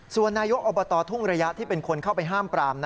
ส่วนนายกอบตทุ่งระยะที่เป็นคนเข้าไปห้ามปราม